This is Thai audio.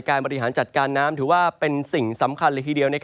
บริหารจัดการน้ำถือว่าเป็นสิ่งสำคัญเลยทีเดียว